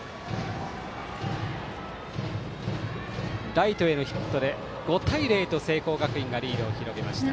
ライトへのヒットで５対０と聖光学院がリードを広げました。